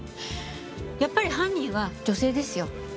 やっぱり犯人は女性ですよ。